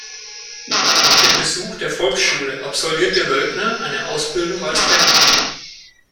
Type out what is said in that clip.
Nach dem Besuch der Volksschule absolvierte Voelkner eine Ausbildung als Klempner.